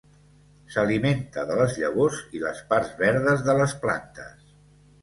S'alimenta de les llavors i les parts verdes de les plantes.